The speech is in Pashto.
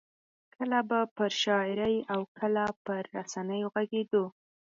کله به پر شاعرۍ او کله پر رسنیو غږېدو.